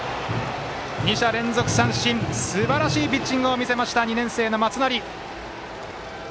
２者連続三振とすばらしいピッチングを見せた２年生の松成！